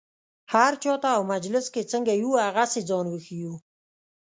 هر چا ته او مجلس کې څنګه یو هغسې ځان وښیو.